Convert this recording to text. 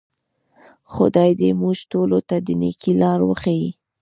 خدای دې موږ ټولو ته د نیکۍ لار وښیي.